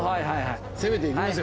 攻めていきますよ